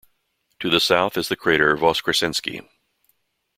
To the south is the crater Voskresenskiy.